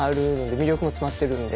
魅力も詰まってるので。